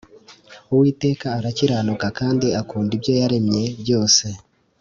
Uwiteka arakiranuka kandi akunda ibyo yaremye byose